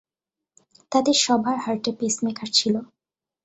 তাদের সবার হার্টে পেসমেকার ছিল।